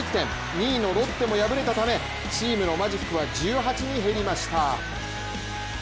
２位のロッテも敗れたためチームのマジックは１８に減りました。